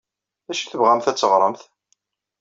D acu i tebɣamt ad teɣṛemt?